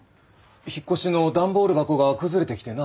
引っ越しの段ボール箱が崩れてきてな。